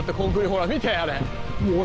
ほら見てあれ。